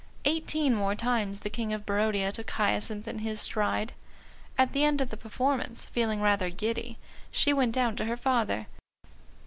Eighteen more times the King of Barodia took Hyacinth in his stride. At the end of the performance, feeling rather giddy, she went down to her father.